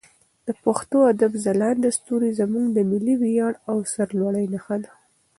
د پښتو ادب ځلانده ستوري زموږ د ملي ویاړ او سرلوړي نښه ده.